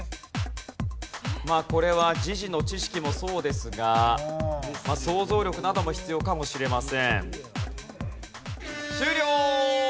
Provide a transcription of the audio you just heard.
まあこれは時事の知識もそうですがまあ想像力なども必要かもしれません。